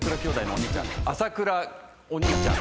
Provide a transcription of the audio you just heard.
朝倉お兄ちゃん。